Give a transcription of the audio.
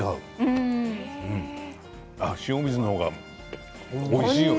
塩水の方がおいしいよね。